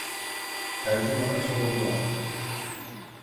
Tercümana sordular: